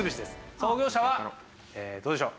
創業者はどうでしょう？